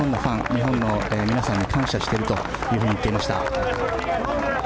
日本の皆さんに感謝していると言っていました。